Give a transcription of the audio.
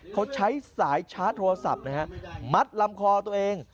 เขาใช้สายชาร์จโทรศัพท์นะฮะมัดลำคอตัวเอง